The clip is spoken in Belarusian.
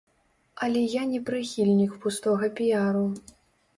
Але я не прыхільнік пустога піяру.